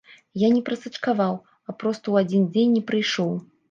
Я не прасачкаваў, а проста ў адзін дзень не прыйшоў.